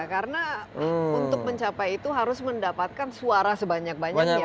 karena untuk mencapai itu harus mendapatkan suara sebanyak banyak